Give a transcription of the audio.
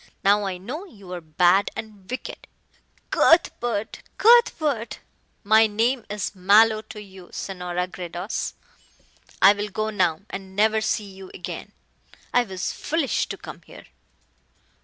Now I know you are bad and wicked." "Cuthbert Cuthbert." "My name is Mallow to you, Senora Gredos. I'll go now and never see you again. I was foolish to come here."